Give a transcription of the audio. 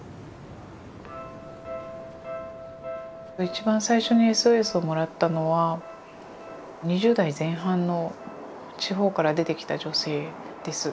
一番最初にＳＯＳをもらったのは２０代前半の地方から出てきた女性です。